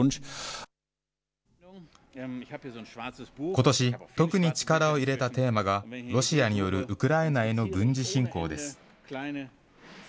ことし、特に力を入れたテーマが、ロシアによるウクライナへの軍事侵攻です。